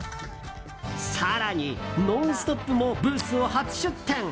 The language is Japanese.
更に、「ノンストップ！」もブースを初出展！